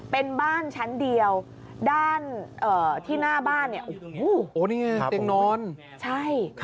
เป็นบ้านชั้นเดียวด้านเอ่อที่หน้าบ้านเนี้ยโอ้โหโอ้นี่ไง